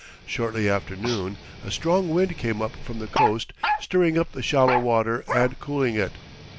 Shortly after noon a strong wind came up from the coast, stirring up the shallow water and cooling it.